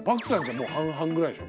もう半々ぐらいですね。